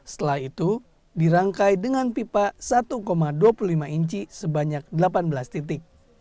setelah itu dirangkai dengan pipa satu dua puluh lima inci sebanyak delapan belas titik